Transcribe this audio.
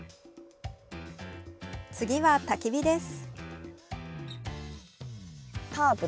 次は、たき火です。